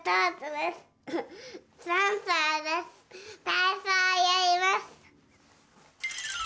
たいそうやります。